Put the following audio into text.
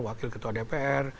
wakil ketua dpr